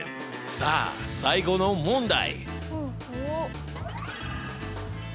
さあ最後の問題！